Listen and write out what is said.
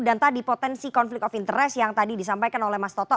dan tadi potensi konflik of interest yang tadi disampaikan oleh mas toto